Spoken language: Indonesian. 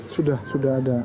sudah sudah ada